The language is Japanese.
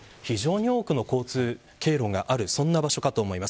非常に多くの交通経路があるそんな場所かと思います。